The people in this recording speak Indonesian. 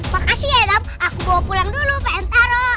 makasih ya dam aku bawa pulang dulu pengen taro